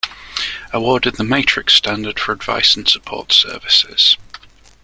Awarded the Matrix Standard for advice and support services.